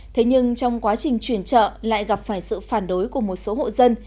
thế nhưng trong quá trình chuyển chợ lại gặp phải sự phản đối của một số hộ dân